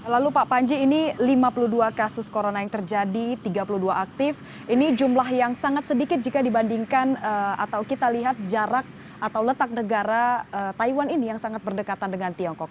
lalu pak panji ini lima puluh dua kasus corona yang terjadi tiga puluh dua aktif ini jumlah yang sangat sedikit jika dibandingkan atau kita lihat jarak atau letak negara taiwan ini yang sangat berdekatan dengan tiongkok